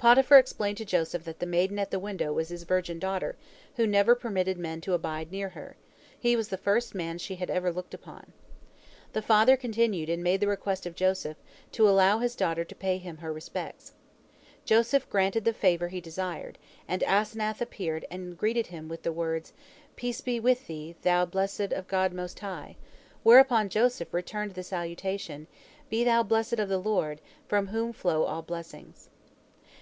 Potiphar explained to Joseph that the maiden at the window was his virgin daughter, who never permitted men to abide near her; he was the first man she had ever looked upon. The father continued and made the request of Joseph, to allow his daughter to pay him her respects. Joseph granted the favor he desired, and Asenath appeared and greeted him with the words, "Peace be with thee, thou blessed of God Most High," whereunto Joseph returned the salutation, "Be thou blessed of the Lord, from whom flow all blessings."